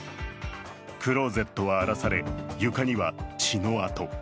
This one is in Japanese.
クローゼットは荒らされ、床には血の跡。